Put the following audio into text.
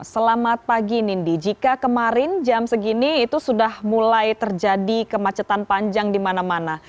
selamat pagi nindi jika kemarin jam segini itu sudah mulai terjadi kemacetan panjang di mana mana